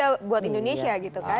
ya buat indonesia gitu kan